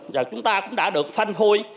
và chúng ta cũng đã được phanh hôi